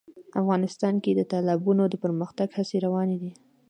افغانستان کې د تالابونه د پرمختګ هڅې روانې دي.